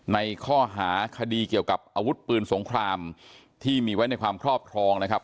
ในข้อหาคดีเกี่ยวกับอาวุธปืนสงครามที่มีไว้ในความครอบครองนะครับ